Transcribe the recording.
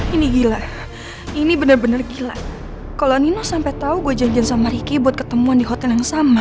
ini gila ini benar benar gila kalau nino sampai tahu gue janjian sama ricky buat ketemuan di hotel yang sama